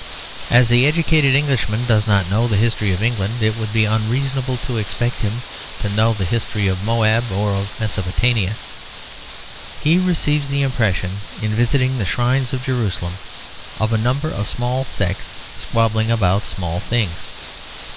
As the educated Englishman does not know the history of England, it would be unreasonable to expect him to know the history of Moab or of Mesopotamia. He receives the impression, in visiting the shrines of Jerusalem, of a number of small sects squabbling about small things.